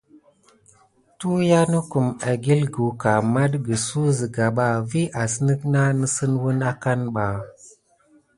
Tuyiya nokum ekikucka aman tikisuk siga ɓa vi asine nesine wune akane ɓa.